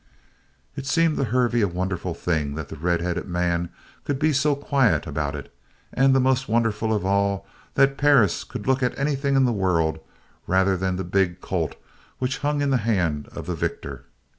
It seemed to Hervey a wonderful thing that the red headed man could be so quiet about it, and most wonderful of all that Perris could look at anything in the world rather than the big Colt which hung in the hand of the victor.